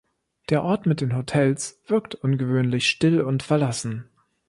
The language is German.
Der Ort mit den Hotels wirkt ungewöhnlich still und verlassen.